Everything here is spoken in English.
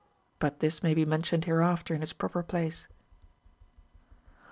Cut this may be mentioned hereafter in its proper place.